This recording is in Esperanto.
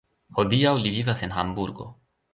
Hodiaŭ li vivas en Hamburgo.